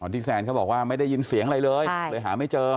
ที่แซนเขาบอกว่าไม่ได้ยินเสียงอะไรเลยเลยหาไม่เจอ